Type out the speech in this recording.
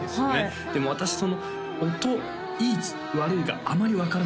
私その音いい悪いがあまり分からないんですよ